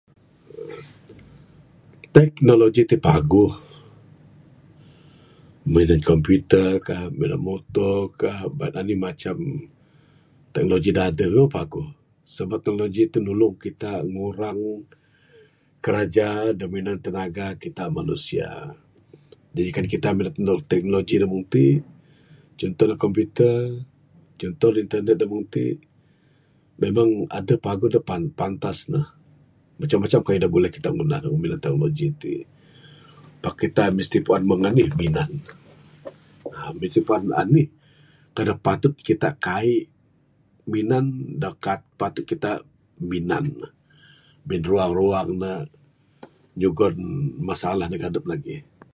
Teknologi ti paguh, minan computer ka, minan moto ka, bait anih macam. Teknologi da adeh memang paguh. Sabab teknologi ti nulung kita ngurang kerja da minan tenaga, tenaga kita manusia. Da nyigan kita minan teknologi da meng ti, chunto ne computer. Chunto da internet da meng ti memang adeh paguh adeh pantas ne. Macam macam kayuh da buleh kita ngunah ne [unintelligible] madi iti. Pak kita mesti puan meng anih minan ne uhh mesti puan anih kayuh da patut kita kaik minan da patut kita minan ne. Bin ruang ruang ne nyugon masalah neg adep lagih.